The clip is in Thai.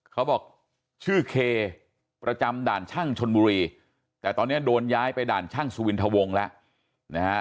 เขาบอกชื่อเคประจำด่านช่างชนบุรีแต่ตอนนี้โดนย้ายไปด่านช่างสุวินทะวงแล้วนะฮะ